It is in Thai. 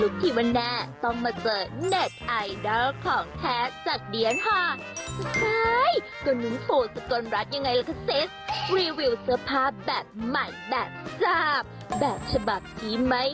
โปรดติดตามตอนต่อไป